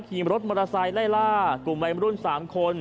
ขี่รถมอเตอร์ไซค์ไล่ล่ากลุ่มวัยมรุ่น๓คน